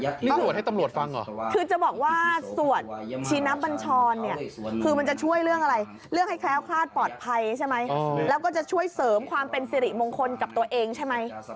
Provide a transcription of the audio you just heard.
เรื่องอะไรเรื่องให้แคล้วคาดปลอดภัยใช่ไหมแล้วก็จะช่วยเสริมความเป็นสิริมงคลกับตัวเองใช่ไหม